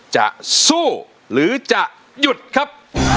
จะสู้หรือจะหยุดครับ